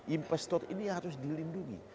investor ini harus dilindungi